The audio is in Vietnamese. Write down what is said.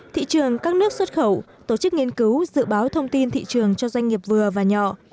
thị trường các nước xuất khẩu tổ chức nghiên cứu dự báo thông tin thị trường cho doanh nghiệp vừa và nhỏ